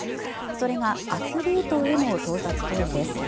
それが、アスリートへの盗撮行為です。